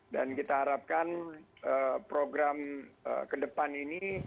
dan kita harapkan program kedepan ini